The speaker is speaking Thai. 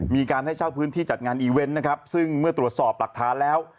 มีการให้เช่าพื้นที่จัดงานอีเวนต์นะครับซึ่งเมื่อตรวจสอบหลักฐานแล้ว